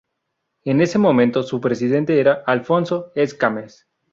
En ese momento su presidente era Alfonso Escámez.